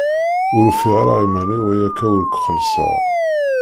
Ur ufiɣ ara iman-iw ayakka ur k-xellṣeɣ.